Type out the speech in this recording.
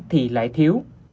thì lại thiếu